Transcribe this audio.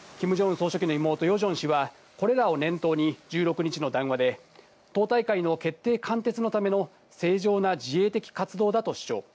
総書記の妹・ヨジョン氏はこれらを念頭に１６日の談話で党大会の決定貫徹のための正常な自衛的活動だと主張。